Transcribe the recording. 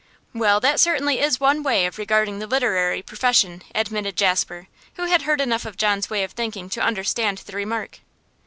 'Well, that certainly is one way of regarding the literary profession,' admitted Jasper, who had heard enough of John's way of thinking to understand the remark.